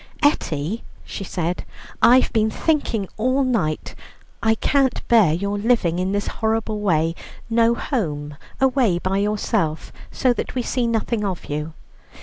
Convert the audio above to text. "Etty," she said, "I've been thinking all night; I can't bear your living in this horrible way: no home, away by yourself, so that we see nothing of you.